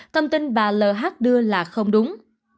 thông tin bà lh đưa là không đúng